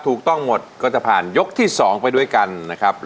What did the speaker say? ถูกต้องหมดก็จะผ่านยกที่๒ไปด้วยกันนะครับ